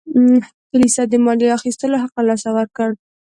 کلیسا د مالیې اخیستلو حق له لاسه ورکړ.